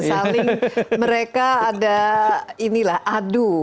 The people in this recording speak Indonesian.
saling mereka ada adu